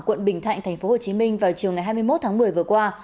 quận bình thạnh tp hcm vào chiều ngày hai mươi một tháng một mươi vừa qua